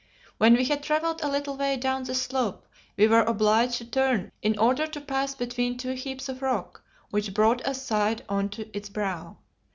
When we had travelled a little way down this slope we were obliged to turn in order to pass between two heaps of rock, which brought us side on to its brow.